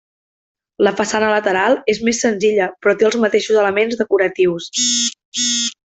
La façana lateral és més senzilla però té els mateixos elements decoratius.